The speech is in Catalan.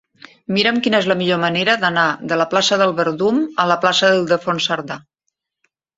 Mira'm quina és la millor manera d'anar de la plaça del Verdum a la plaça d'Ildefons Cerdà.